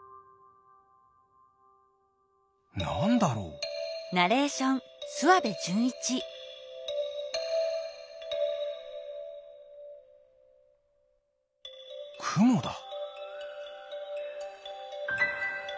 なんだろう？クモだ。